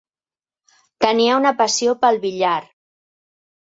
Tenia una passió pel billar.